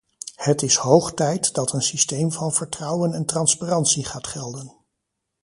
Het is hoog tijd dat een systeem van vertrouwen en transparantie gaat gelden.